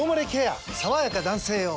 さわやか男性用」